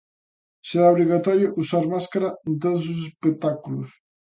Será obrigatorio usar máscara en todos os espectáculos.